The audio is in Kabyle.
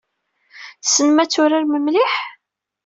Tessnem ad turarem mliḥ?